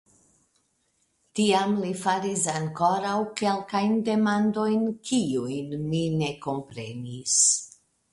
Tiam li faris ankoraŭ kelkajn demandojn, kiujn mi ne komprenis.